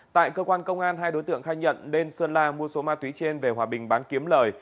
tại cơ quan công an hai đối tượng khai nhận bên sơn la mua số ma túy trên về hòa bình bán kiếm lời